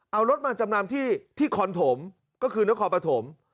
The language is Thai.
เอารถมาจำนำที่คอนถมก็คือนครปฐม